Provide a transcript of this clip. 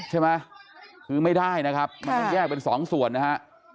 ใช่ไหมคือไม่ได้นะครับมันต้องแยกเป็นสองส่วนนะฮะ